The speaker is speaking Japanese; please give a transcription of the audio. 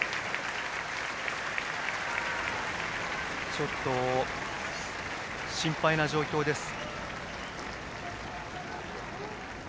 ちょっと心配な状況です。